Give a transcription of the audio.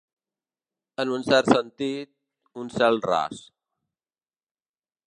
En un cert sentit, un cel ras.